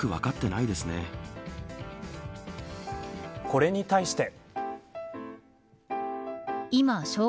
これに対して。